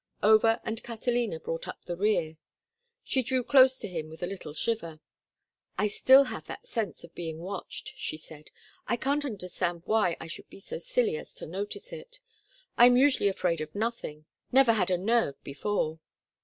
Over and Catalina brought up in the rear. She drew close to him with a little shiver. "I still have that sense of being watched," she said. "I can't understand why I should be so silly as to notice it. I am usually afraid of nothing—never had a nerve before."